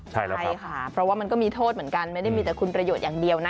ใช่ค่ะเพราะว่ามันก็มีโทษเหมือนกันไม่ได้มีแต่คุณประโยชน์อย่างเดียวนะ